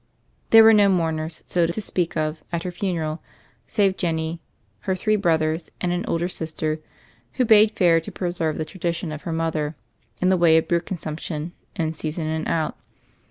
There were no mourners — to speak of — at her funeral, save Jenny, her three brothers, and an older sister, who bade fair to preserve the tradition of her mother in the way of beer consumption in season and out.